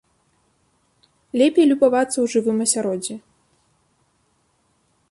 Лепей любавацца ў жывым асяроддзі.